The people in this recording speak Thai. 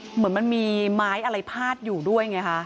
เหมือนมันมีไม้อะไรพาดอยู่ด้วยไงคะ